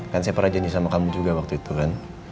kan saya perajani sama kamu juga waktu itu kan